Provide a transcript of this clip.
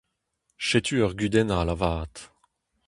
Setu ur gudenn all avat.